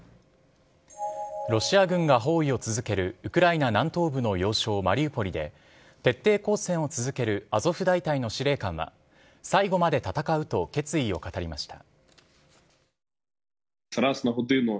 ロシア軍が包囲を続けるウクライナ南東部の要衝マリウポリで、徹底抗戦を続けるアゾフ大隊の司令官は、最後まで戦うと決意を語りました。